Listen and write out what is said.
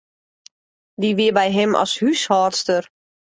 Dy wie by him as húshâldster.